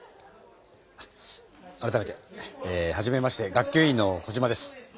改めてえはじめまして学級委員のコジマです。